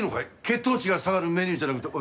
血糖値が下がるメニューじゃなくて。